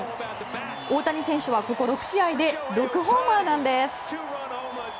大谷選手はここ６試合で６ホーマーなんです。